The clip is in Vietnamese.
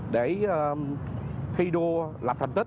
để thi đua làm thành tích